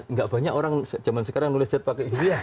enggak banyak orang zaman sekarang nulis z pakai ini ya